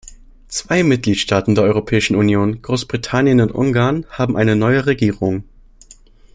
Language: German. Zwei Mitgliedstaaten der Europäischen Union, Großbritannien und Ungarn, haben eine neue Regierung.